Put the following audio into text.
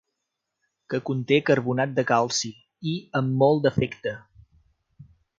Que conté carbonat de calci, i amb molt d'afecte.